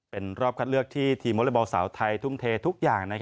เป็นรอบคัดเลือกที่ทีมวอเล็กบอลสาวไทยทุ่มเททุกอย่าง